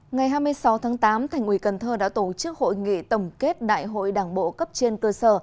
ngày hai mươi sáu tháng tám thành ủy cần thơ đã tổ chức hội nghị tổng kết đại hội đảng bộ cấp trên cơ sở